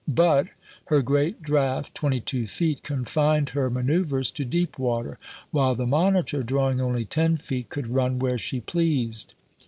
But lier great draft, twenty two feet, confined her ma noeuvres to deep water, while the Monitor drawing only ten feet could run where she pleased.